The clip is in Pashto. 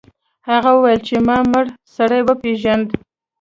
هغه وویل چې ما مړ سړی وپیژنده.